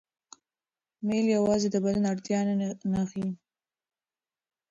میل یوازې د بدن اړتیا نه ښيي.